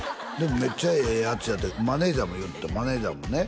めっちゃええヤツやってマネージャーも言うてたマネージャーもね